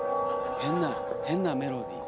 変な変なメロディー。